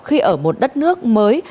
khi ở một đất nước mới